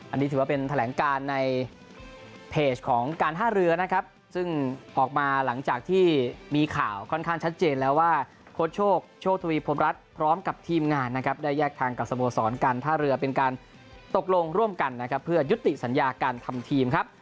อันนี้ถือว่าเป็นแถลงการในเพจของการท่าเรือนะครับซึ่งออกมาหลังจากที่มีข่าวค่อนข้างชัดเจนแล้วว่าโค้ชโชคโชคทวีพรมรัฐพร้อมกับทีมงานนะครับได้แยกทางกับสโมสรการท่าเรือเป็นการตกลงร่วมกันนะครับเพื่อยุติสัญญาการทำทีมครับ